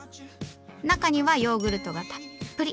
中にはヨーグルトがたっぷり。